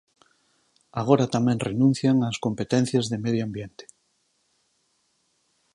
Agora tamén renuncian ás competencias de medio ambiente.